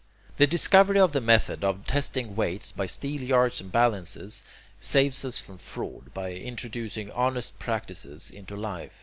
The discovery of the method of testing weights by steelyards and balances saves us from fraud, by introducing honest practices into life.